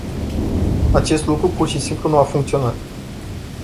Acest lucru pur și simplu nu a funcționat.